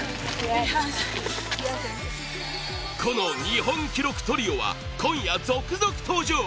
この日本記録トリオは今夜、続々登場。